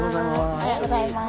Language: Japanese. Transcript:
おはようございます。